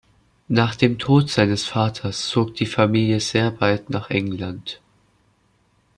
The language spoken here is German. Nach dem Tod seines Vaters zog die Familie sehr bald nach England.